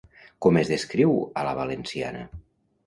Com es descriu a la valenciana?